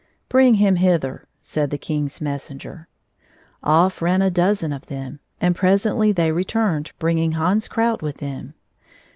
" Bring him hither," said the king's messenger. Off ran a dozen of them, and presently they re turned, bringing Hans Krout with them.